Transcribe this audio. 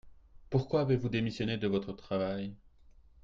Pourquoi avez-vous démissioné de votre travail ?